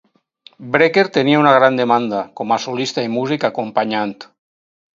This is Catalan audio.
Brecker tenia una gran demanda com a solista i músic acompanyant.